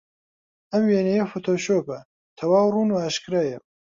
ئەو وێنەیە فۆتۆشۆپە، تەواو ڕوون و ئاشکرایە.